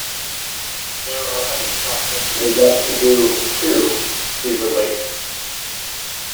"There are other projects I want to do, too," he relates.